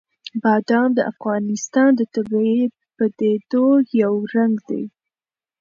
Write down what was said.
بادام د افغانستان د طبیعي پدیدو یو رنګ دی.